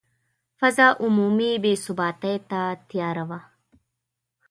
فضا عمومي بې ثباتي ته تیاره وه.